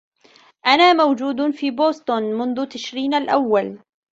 أنا موجود في بوستن منذ تشرين الأول